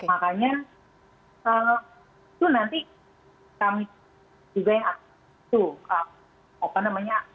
makanya itu nanti kami juga yang